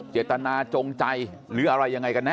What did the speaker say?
เจตนาจงใจหรืออะไรยังไงกันแน